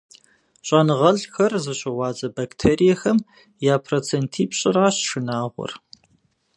Щӏэныгъэлӏхэр зыщыгъуазэ бактериехэм я процентипщӏыращ шынагъуэр.